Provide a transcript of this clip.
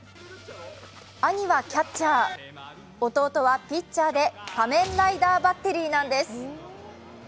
兄はキャッチャー、弟はピッチャーで仮面ライダーバッテリーなんです。